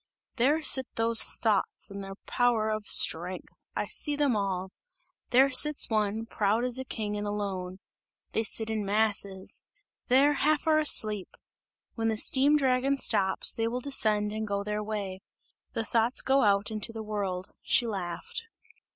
"There sit those thoughts in their power of strength! I see them all! There sits one, proud as a king and alone! They sit in masses! There, half are asleep! When the steam dragon stops, they will descend and go their way! The thoughts go out into the world!" She laughed.